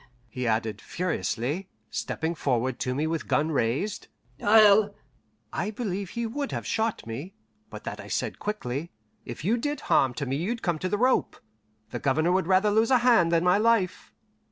he added furiously, stepping forward to me with gun raised, "I'll " I believe he would have shot me, but that I said quickly, "If you did harm to me you'd come to the rope. The Governor would rather lose a hand than my life."